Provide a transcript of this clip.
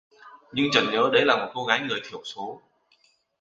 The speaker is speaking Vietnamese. Nhưng chợt nhớ đấy là một cô gái người thiểu số